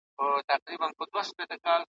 چي عقل نه لري هیڅ نه لري ,